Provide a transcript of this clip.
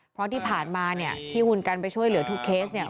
เพราะที่ผ่านมาเนี่ยที่คุณกันไปช่วยเหลือทุกเคสเนี่ย